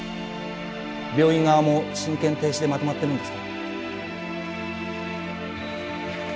病院側も「親権停止」でまとまってるんですか？